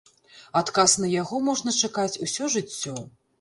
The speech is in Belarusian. Адказ на яго можна чакаць усё жыццё.